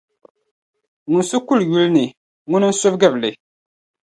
Ŋun su kuli yuli ni, ŋuna n-surigiri li.